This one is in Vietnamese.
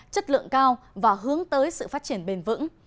chất lượng cao và hướng tới sự phát triển bền vững